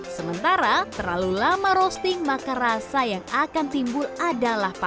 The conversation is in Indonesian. sementara terlalu lama roasting maka rasa yang dihasilkan adalah asam